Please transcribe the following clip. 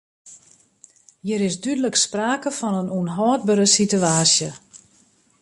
Hjir is dúdlik sprake fan in ûnhâldbere sitewaasje.